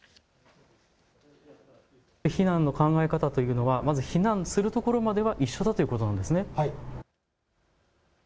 避難の考え方というのは避難するところまでは一緒だということなんですね。